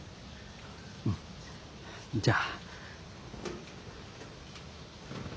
うんじゃあ。